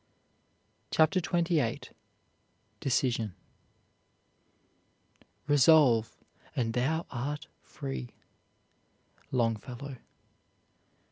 CHAPTER XXVIII DECISION Resolve, and thou art free. LONGFELLOW.